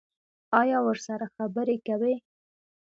ایا ورسره خبرې کوئ؟